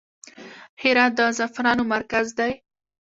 هرات د زعفرانو مرکز دی